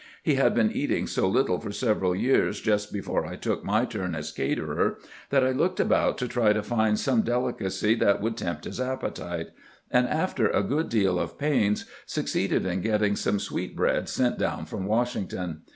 He had been eating so little for several days just before I took my turn as caterer that I looked about to try to find some delicacy that would tempt his appetite, and after a good deal of pains succeeded in getting some sweetbreads sent down from "Washington.